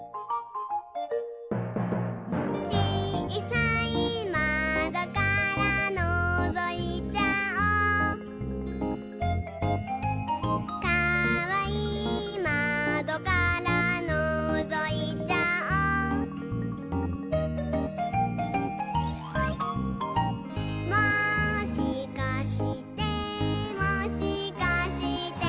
「ちいさいまどからのぞいちゃおう」「かわいいまどからのぞいちゃおう」「もしかしてもしかして」